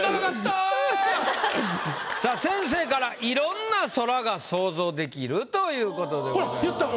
さあ先生から「いろんな空が想像できる」という事でございました。